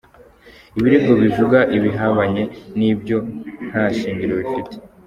Ibirego bivuga ibihabanye n’ibyo nta shingiro bifite.